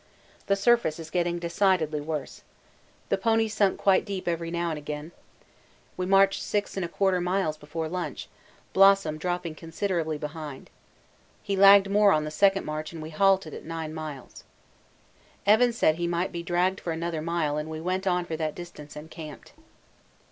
The surface is getting decidedly worse. The ponies sink quite deep every now and again. We marched 6 1/4 miles before lunch, Blossom dropping considerably behind. He lagged more on the second march and we halted at 9 miles. Evans said he might be dragged for another mile and we went on for that distance and camped.